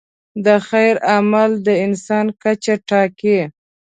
د خیر عمل د انسان کچه ټاکي.